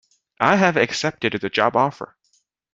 I have accepted the job offer.